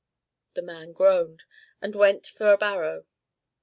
The man groaned, and went for a barrow.